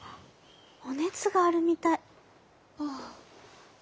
お熱があるみたい。